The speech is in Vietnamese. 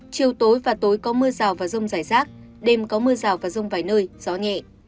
chiều tối và tối có mưa rào và rông rải rác đêm có mưa rào và rông vài nơi gió nhẹ